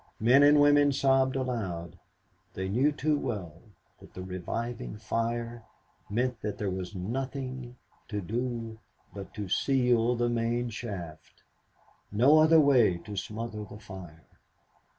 Men and women sobbed aloud. They knew too well that the reviving fire meant that there was nothing to do but to seal the main shaft. No other way to smother the fire.